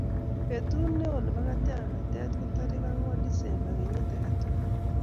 Betut neo nebo katyaknatet ko tariik ang'wan December kenyiit age tugul.